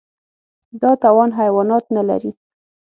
دا توان حیوانات نهلري.